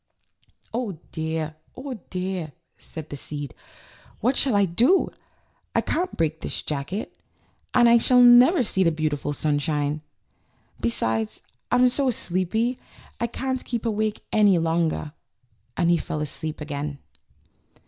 "Oh dear, oh dear!" said the seed, "what shall I do? I can't break this jacket, and I shall never see the beautiful sunshine! Be sides I'm so sleepy I can't keep awake any longer;" and he fell asleep again.